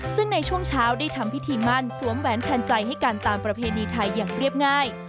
ซึ่งในช่วงเช้าได้ทำพิธีมั่นสวมแหวนแทนใจให้กันตามประเพณีไทยอย่างเรียบง่าย